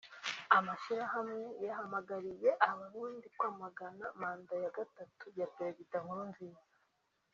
Amashyirahamwe yahamagariye Abarundi kwamagana manda ya gatatu ya Perezida Nkurunziza